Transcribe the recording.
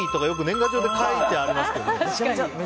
賀状に書いてありますけど。